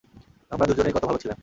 আমরা দুজনেই কত ভালো ছিলাম।